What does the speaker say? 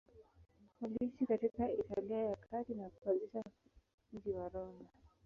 Waliishi katika Italia ya Kati na kuanzisha mji wa Roma.